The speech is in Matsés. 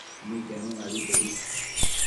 Niquenuna abetedi